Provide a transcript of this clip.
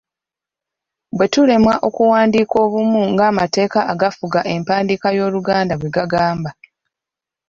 Bwe tulemwa okuwandiika obumu ng’amateeka agafuga empandiika y’Oluganda bwe gagamba.